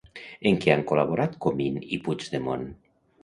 En què han col·laborat Comín i Puigdemon?